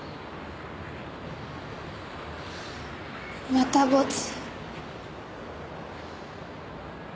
またボツ。